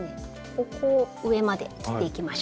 ここを上まで切っていきましょうか。